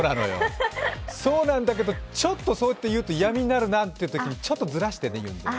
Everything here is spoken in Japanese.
そうなんだけど、ちょっとそう言うと嫌みになるなっていうときにちょっとずらして言うのよ。